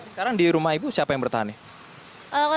sekarang di rumah ibu siapa yang bertahan nih